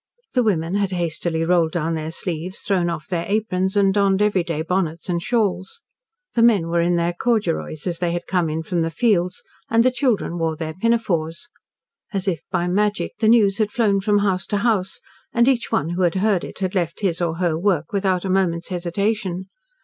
The women had hastily rolled down their sleeves, thrown off their aprons, and donned everyday bonnets and shawls. The men were in their corduroys, as they had come in from the fields, and the children wore their pinafores. As if by magic, the news had flown from house to house, and each one who had heard it had left his or her work without a moment's hesitation.